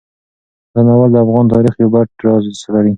دا ناول د افغان تاریخ یو پټ راز سپړي.